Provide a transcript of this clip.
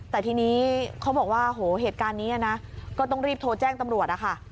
แต่ทีนี้เขาบอกว่าโหเหตุการณ์นี้นะก็ต้องรีบโทรแจ้งตำรวจนะคะ